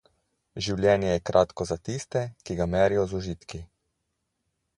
Življenje je kratko za tiste, ki ga merijo z užitki.